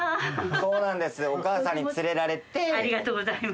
そうなんですよ、お母さんにありがとうございます。